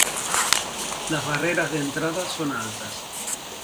Las barreras de entrada son altas.